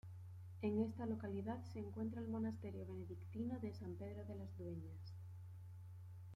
En esta localidad se encuentra el monasterio benedictino de San Pedro de las Dueñas.